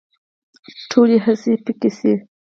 ټولې هڅې پيکه شي